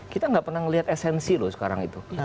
kita nggak pernah melihat esensi loh sekarang itu